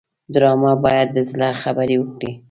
ډرامه باید د زړه خبرې وکړي